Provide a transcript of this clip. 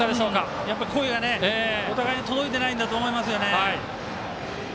お互いに届いてないんだと思いますよね。